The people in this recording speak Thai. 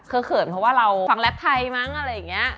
เขินเพราะว่าเราฟังแรปไทยมั้งอะไรอย่างนี้